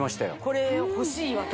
これ欲しい私。